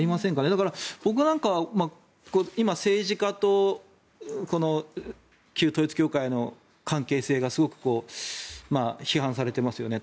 だから、僕なんかは今、政治家と旧統一教会の関係性がすごく批判されていますよね。